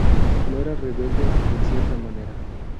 No era rebelde en cierta manera.